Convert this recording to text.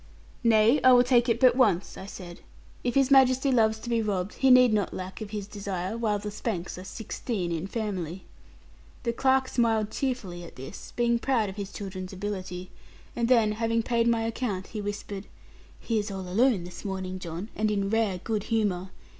'Nay, I will take it but once,' I said; 'if His Majesty loves to be robbed, he need not lack of his desire, while the Spanks are sixteen in family.' The clerk smiled cheerfully at this, being proud of his children's ability; and then having paid my account, he whispered, 'He is all alone this morning, John, and in rare good humour.